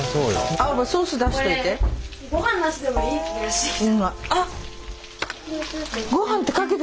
あおばソース出しといて。